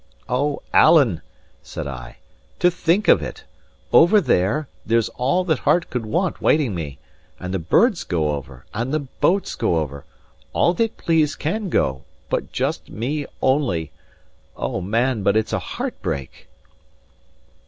"O, Alan!" said I, "to think of it! Over there, there's all that heart could want waiting me; and the birds go over, and the boats go over all that please can go, but just me only! O, man, but it's a heart break!"